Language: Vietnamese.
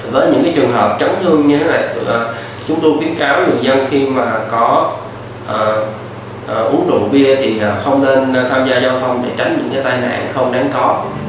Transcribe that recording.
với những cái trường hợp chấn thương như thế này chúng tôi khuyến cáo người dân khi mà có uống đồ bia thì không nên tham gia giao thông để tránh những cái tai nạn không đáng khó